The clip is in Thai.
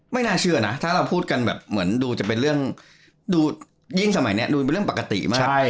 ไม่น่าเชื่อนะถ้าเราพูดกันแบบเหมือนดูจะเป็นเรื่องดูยิ่งสมัยนี้ดูเป็นเรื่องปกติมาก